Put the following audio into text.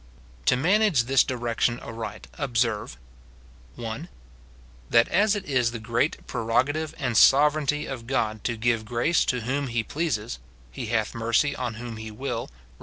To manage this direction aright observe, — 27G MORTIFICATION OP 1. That as it is the great prerogative and sovereignty of God to give grace to Avhora he pleases (" He hath mercy on whom he will," Rom.